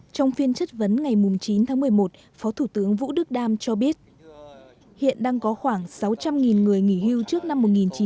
trong phiên chất vấn ngày chín tháng một mươi một phó thủ tướng vũ đức đam cho biết hiện đang có khoảng sáu trăm linh người nghỉ hưu trước năm một nghìn chín trăm bảy mươi